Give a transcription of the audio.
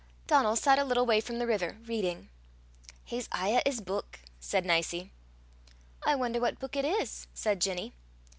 Donal sat a little way from the river, reading. "He's aye at 's buik!" said Nicie. "I wonder what book it is," said Ginny.